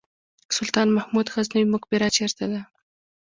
سلطان محمود غزنوي مقبره چیرته ده؟